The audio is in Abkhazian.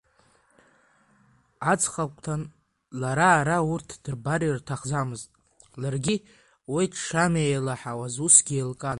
Аҵхагәҭан лара ара урҭ дырбар иҭахӡамызт, ларгьы уи дшамеилаҳауаз усгьы еилкаан.